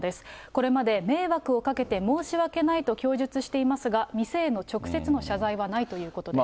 これまで、迷惑をかけて申し訳ないと供述していますが、店への直接の謝罪はないということです。